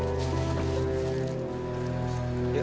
aku sama itu di tinggal